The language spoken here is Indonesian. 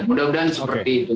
mudah mudahan seperti itu